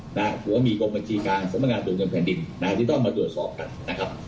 หรือว่ามีกรมจีการสมรรยาตูเงินแผ่นดินที่ต้องมาตรวจสอบกันนะครับ